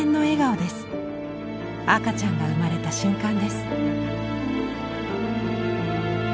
赤ちゃんが生まれた瞬間です。